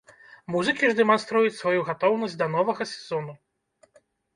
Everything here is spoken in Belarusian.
Музыкі ж дэманструюць сваю гатоўнасць да новага сезону.